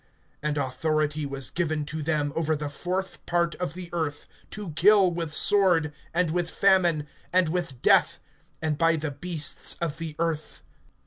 And authority was given to them over the fourth part of the earth, to kill with sword, and with famine, and with death, and by the beasts of the earth.